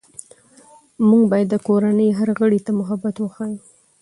موږ باید د کورنۍ هر غړي ته محبت وښیو